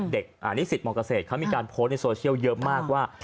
นิสิตมเกษตรเขามีการโพสต์ในโซเชียลเยอะมากว่า